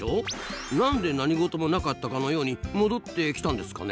何で何事もなかったかのように戻ってきたんですかね？